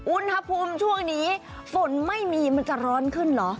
อุณหภูมิช่วงนี้ฝนไม่มีมันจะร้อนขึ้นเหรอ